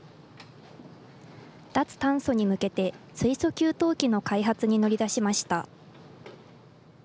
脱炭素に向けて、水素給湯器の開発に乗り出しました。